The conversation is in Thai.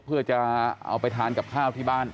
เพื่อจะเอาไปทานกับข้าวที่บ้าน